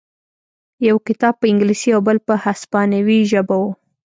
یو کتاب په انګلیسي او بل په هسپانوي ژبه و